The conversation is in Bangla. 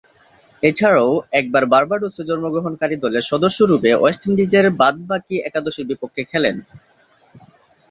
এছাড়াও একবার বার্বাডোসে জন্মগ্রহণকারী দলের সদস্যরূপে ওয়েস্ট ইন্ডিজের বাদ-বাকী একাদশের বিপক্ষে খেলেন।